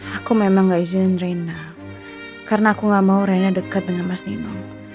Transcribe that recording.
aku memang nggak izin reina karena aku nggak mau reina dekat dengan mas nino